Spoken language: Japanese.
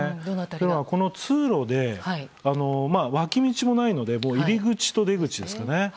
要はこの通路で、脇道もないので入り口と出口ですよね。